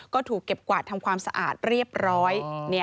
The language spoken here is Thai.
ก็ถูกเก็บกวาดทำความสะอาดเรียบร้อย